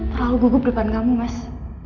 terlalu gugup depan kamu mas